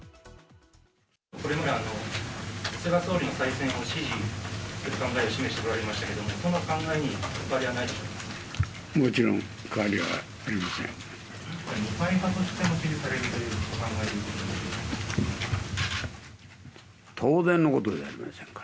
これまで菅総理の再選を支持する考えを示しておられましたけれども、その考えに変わりはないですか。